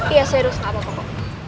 iya sih terus gak apa apa